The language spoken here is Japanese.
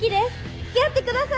付き合ってください